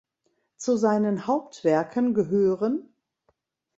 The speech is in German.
Zu seinen Hauptwerken gehören